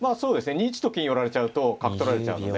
２一と金寄られちゃうと角取られちゃうので。